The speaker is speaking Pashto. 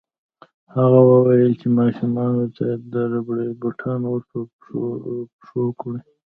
هغه وویل چې ماشومانو ته دې ربړي بوټان ورپه پښو کړي